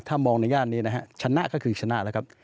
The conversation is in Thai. ถ้ามองในย่านนี้นะฮะชนะก็คือชนะแล้วครับ